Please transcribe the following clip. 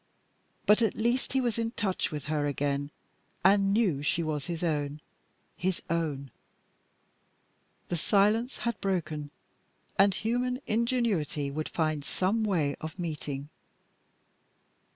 But at least he was in touch with her again and knew she was his own his own. The silence had broken, and human ingenuity would find some way of meeting.